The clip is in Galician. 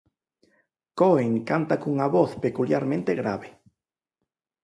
Cohen canta cunha voz peculiarmente grave.